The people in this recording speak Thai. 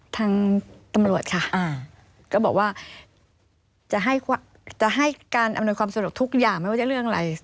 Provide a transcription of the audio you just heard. ทางตำรวจค่ะก็บอกว่าจะให้การอำนวยความสะดวกทุกอย่างไม่ว่าจะเรื่องอะไร